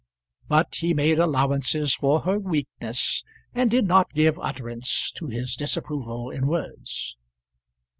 But he made allowances for her weakness, and did not give utterance to his disapproval in words.